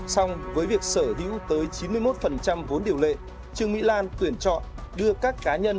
xong với việc sở hữu tới chín mươi một vốn điều lệ trương mỹ lan tuyển chọn đưa các cá nhân